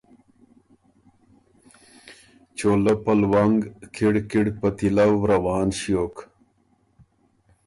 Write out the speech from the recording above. چولۀ په لونګ کِړ کِړ په تیلؤ روان ݭیوک